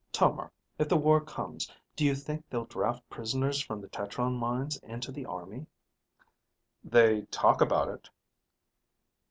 Tomar, if the war comes, do you think they'll draft prisoners from the tetron mines into the army?" "They talk about it."